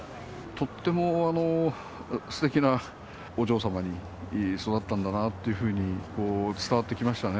とってもすてきなお嬢様に育ったんだなっていうふうに伝わってきましたね。